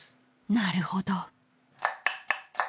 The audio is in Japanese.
なるほど。